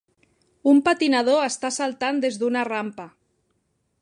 Un patinador està saltant des d'una rampa.